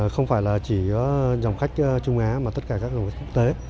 không phải là chỉ dòng khách trung á mà tất cả các dòng khách quốc tế